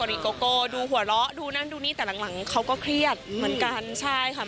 ริโกโก้ดูหัวเราะดูนั่นดูนี่แต่หลังหลังเขาก็เครียดเหมือนกันใช่ค่ะ